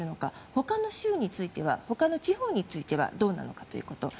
他の州については他の地方についてはどうなのかということ。